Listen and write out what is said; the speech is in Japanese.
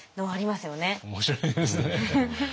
面白いですね。